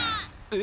え？